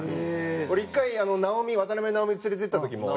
俺１回直美渡辺直美連れて行った時も。